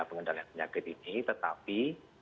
pengendalian penyakit ini tetapi